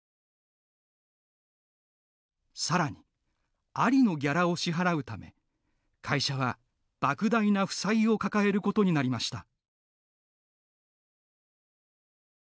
さらに、アリのギャラを支払うため会社は、ばく大な負債を抱えることになりました。